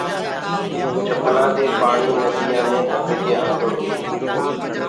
جبلآنٚ دي پآڻي ننديآنٚ مي ڪر ڪي آندو هي۔